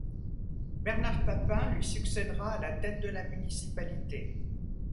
Bernard Papin lui succèdera à la tête de la municipalité.